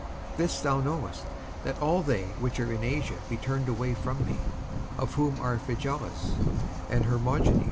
55:001:015 This thou knowest, that all they which are in Asia be turned away from me; of whom are Phygellus and Hermogenes.